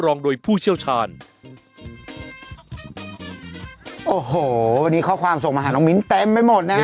โอ้โหวันนี้ข้อความส่งมาหาน้องมิ้นเต็มไม่หมดนะครับ